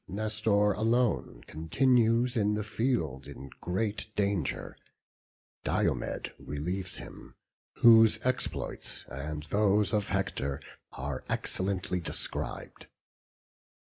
Nestor alone continues in the field in great danger; Diomed relieves him; whose exploits, and those of Hector, are excellently described.